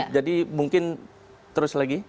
jadi mungkin terus lagi